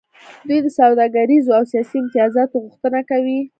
دوی د سوداګریزو او سیاسي امتیازاتو غوښتنه کوي